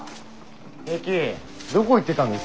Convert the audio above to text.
テキどこ行ってたんですか？